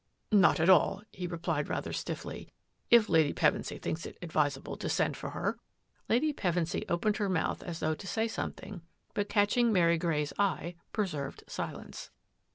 " Not at all," he replied rather stiffly, " if I Pevensy thinks it advisable to send for her." Lady Pevensy opened her mouth as thoug] say something, but catching Mary Grey's preserved silence.